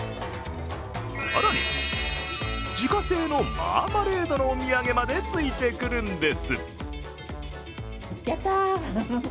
更に、自家製のマーマレードのお土産までついてくるんです。